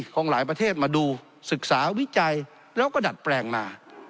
ของหลายประเทศมาดูศึกษาวิจัยแล้วก็ดัดแปลงมา